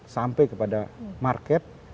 sampai kepada market